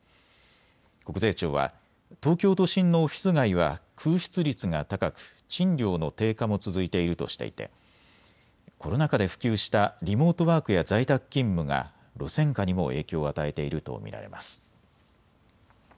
国税庁は東京都心のオフィス街は空室率が高く賃料の低下も続いているとしていてコロナ禍で普及したリモートワークや在宅勤務が路線価にも影響を与えていると見られます。